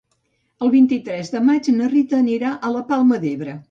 El vint-i-tres de maig na Rita anirà a la Palma d'Ebre.